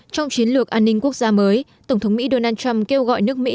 trong chiến lược an ninh quốc gia mới tổng thống mỹ donald trump kêu gọi nước mỹ